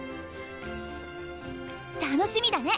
楽しみだね。